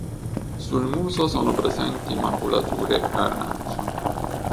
Sul muso sono presenti maculature arancio.